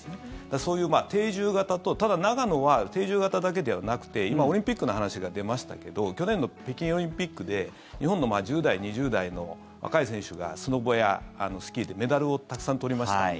そういう定住型とただ、長野は定住型だけではなくて今、オリンピックの話が出ましたけど去年の北京オリンピックで日本の１０代、２０代の若い選手がスノボやスキーでメダルをたくさん取りましたよね。